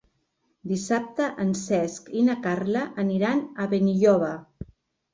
Dissabte en Cesc i na Carla aniran a Benilloba.